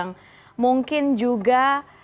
simbol yang mungkin juga